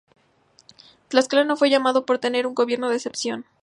Tlaxcala no fue llamada por tener un gobierno de excepción.